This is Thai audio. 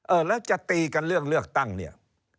เออแล้วจะตีกันเรื่องเลือกตั้งเนี่ย